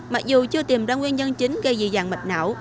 mặc dù chưa tìm ra nguyên nhân chính gây dị dàng mạch não